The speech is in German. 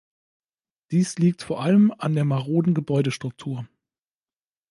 Dies liegt vor allem an der maroden Gebäudestruktur.